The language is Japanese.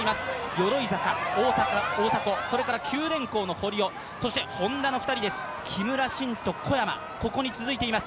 鎧坂、大迫、それから、九電工の堀尾、そしてＨｏｎｄａの２人です木村慎と小山、ここに続いています